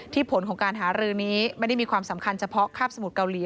ผลของการหารือนี้ไม่ได้มีความสำคัญเฉพาะคาบสมุทรเกาหลี